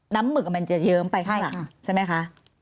น้ำหมึกมันจะเยิ้มไปค่ะใช่ไหมค่ะ